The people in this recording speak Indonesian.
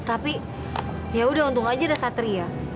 tapi ya udah untung aja ada satria